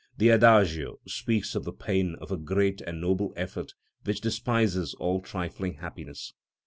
The Adagio speaks of the pain of a great and noble effort which despises all trifling happiness.